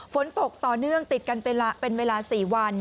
ฝนตกต่อเนื่องติดกันเป็นเวลา๔วัน